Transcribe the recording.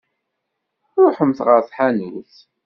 Ṛuḥemt ɣer tḥanut!